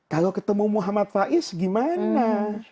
kalau ketemu muhammad faiz gimana